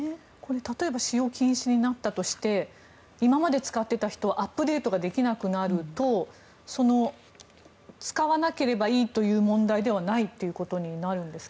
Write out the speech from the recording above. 例えば使用禁止になったとして今まで使っていた人はアップデートができなくなると使わなければいいという問題ではないということになるんですか？